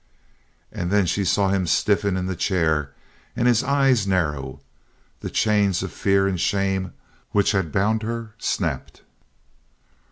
And then she saw him stiffen in the chair, and his eyes narrow. The chains of fear and of shame which had bound her snapped.